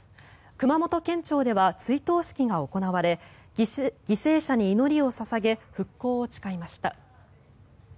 熊本県庁では追悼式が行われ犠牲者に祈りを捧げ復興を誓いました。